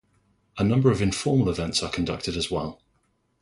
A number of informal events are conducted as well.